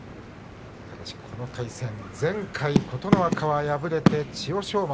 この対戦、前回は琴ノ若敗れて千代翔